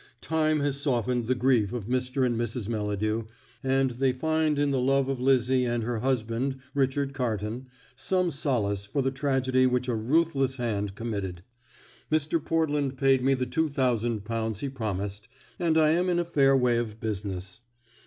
Time has softened the grief of Mr. and Mrs. Melladew, and they find in the love of Lizzie and her husband, Richard Carton, some solace for the tragedy which a ruthless hand committed. Mr. Portland paid me the two thousand pounds he promised, and I am in a fair way of business.